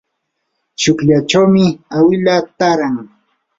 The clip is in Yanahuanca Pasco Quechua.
tsukllachawmi awilaa taaran.